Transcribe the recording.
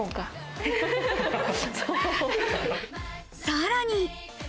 さらに。